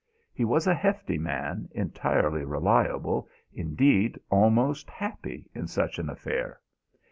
He was a hefty man, entirely reliable, indeed almost happy in such an affair.